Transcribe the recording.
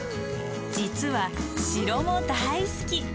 実は城も大好き。